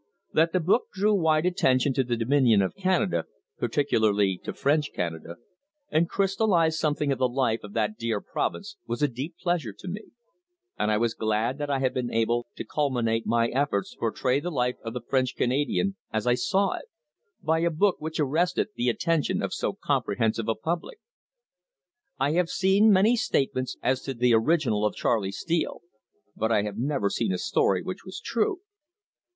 That the book drew wide attention to the Dominion of Canada, particularly to French Canada, and crystallised something of the life of that dear Province, was a deep pleasure to me; and I was glad that I had been able to culminate my efforts to portray the life of the French Canadian as I saw it, by a book which arrested the attention of so comprehensive a public. I have seen many statements as to the original of Charley Steele, but I have never seen a story which was true.